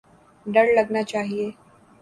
ڈر لگنا چاہیے۔